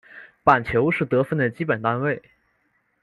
板球是得分的基本单位。